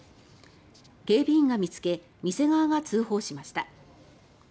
警備員が見つけ店側が通報しました。